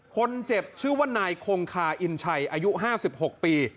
คนเจ็บชื่อว่านายคงคาอินชัยอายุ๕๖ปี